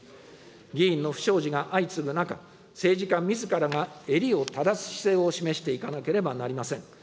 議員の不祥事が相次ぐ中、政治家みずからが襟を正す姿勢を示していかなければなりません。